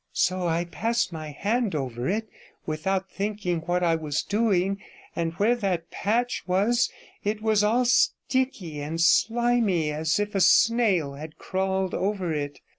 So I passed my hand over it, without thinking what I was doing, and where that patch was it was all sticky and slimy, as if a snail had crawled over it.